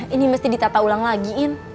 ini mesti ditata ulang lagi in